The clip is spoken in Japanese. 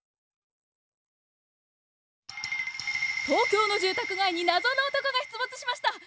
東京の住宅街に謎の男が出没しました！